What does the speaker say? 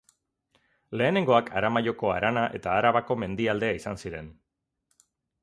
Lehenengoak Aramaioko harana eta Arabako Mendialdea izan ziren.